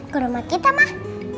ke rumah kita mah